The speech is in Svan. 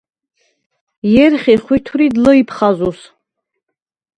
ჲერხი ხვითვრიდ ლჷჲფხაზუს.